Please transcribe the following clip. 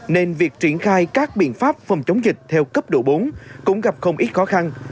nên việc triển khai các biện pháp phòng chống dịch theo cấp độ bốn cũng gặp không ít khó khăn